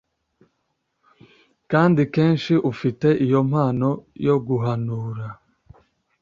kandi kenshi ufite iyo mpano yo guhanura